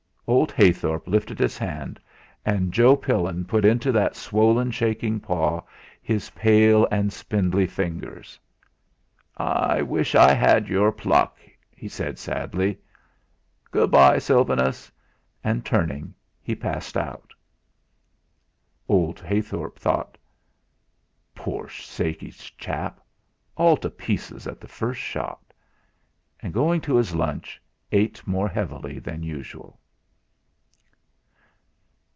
Old Heythorp lifted his hand, and Joe Pillin put into that swollen shaking paw his pale and spindly fingers. "I wish I had your pluck," he said sadly. "Good bye, Sylvanus," and turning, he passed out. Old Heythorp thought: 'Poor shaky chap. All to pieces at the first shot!' And, going to his lunch, ate more heavily than usual.